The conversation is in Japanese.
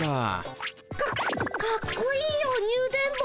かかっこいいよニュ電ボ。